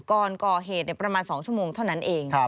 ก่อนก่อเหตุประมาณ๒ชั่วโมงเท่านั้นเอง